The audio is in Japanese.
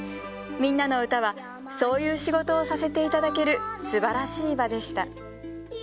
『みんなのうた』はそういう仕事をさせて頂けるすばらしい場でした。